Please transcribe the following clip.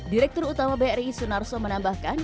direktur utama bri sunarso menambahkan